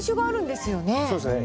そうですね。